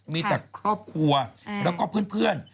มีแต่ครอบครัวแล้วก็เพื่อน